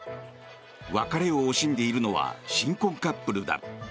別れを惜しんでいるのは新婚カップルだ。